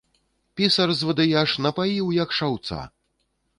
Пісар, звадыяш, напаіў, як шаўца.